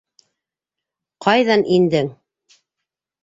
Ҡайҙан индең?